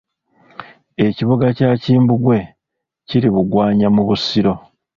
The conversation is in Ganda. Ekibuga kya Kimbugwe kiri Bugwanya mu Busiro.